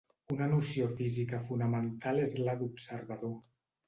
Una noció física fonamental és la d'observador.